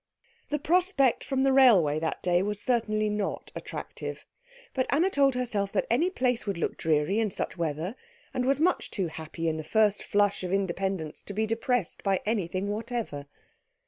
The prospect from the railway that day was certainly not attractive; but Anna told herself that any place would look dreary such weather, and was much too happy in the first flush of independence to be depressed by anything whatever.